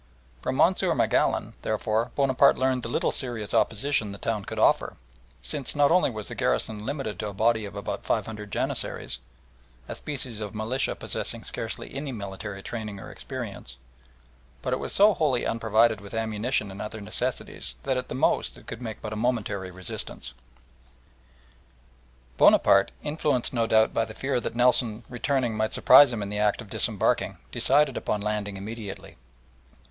From Monsieur Magallon, therefore, Bonaparte learned the little serious opposition the town could offer, since not only was the garrison limited to a body of about five hundred janissaries, a species of militia possessing scarcely any military training or experience, but it was so wholly unprovided with ammunition and other necessaries that at the most it could make but a momentary resistance. Bonaparte, influenced no doubt by the fear that Nelson returning might surprise him in the act of disembarking, decided upon landing immediately.